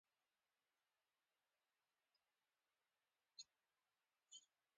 د دې پېښو مخنیوي لپاره باید ودانۍ جالۍ تاو کړای شي.